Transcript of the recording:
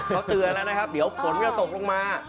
เขาเตือนแล้วนะครับเดี๋ยวฝนก็ตกลงมา